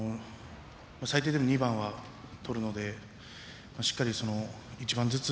最低でも２番は取るのでしっかり一番ずつ